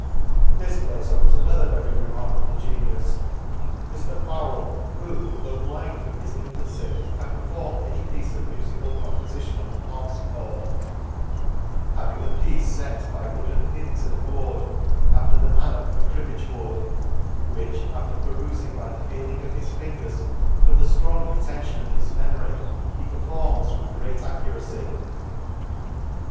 —This place owns another very re markable genius, Mr Fawell j who, tho' blind from his infancy, can perform any piece of mufical compqlition gxx the harp ficord* the Lakes, 103 fkord, having the piece fet by wooden, pins in a board, after the manner of a cribbage board ; which, after perufing by the feeling of his fingers, from the ftrong retention of his memory, he performs with great accuracy.